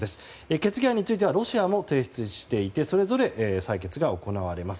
決議案についてはロシアも提出していてそれぞれ採決が行われます。